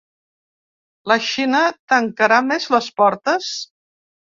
La Xina tancarà més les portes?